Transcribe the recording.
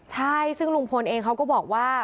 ใช่ซึ่งลุงพลเองเขาก็บอกว่า